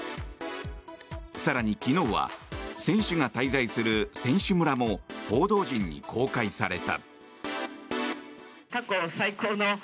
更に昨日は選手が滞在する選手村も報道陣に公開された。